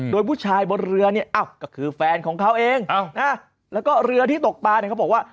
โดยผู้ชายบนเรือเนี่ยก็คือแฟนของเขาเองแล้วก็เรือที่ตกปลาเนี่ยเขาบอกว่า